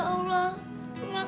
kau telah memberikan rezeki yang baik